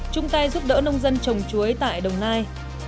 chúng ta giúp đỡ nông dân trồng chuối tại đồng nai